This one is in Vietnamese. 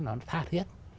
nó tha thiết